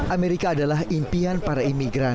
amerika adalah impian para imigran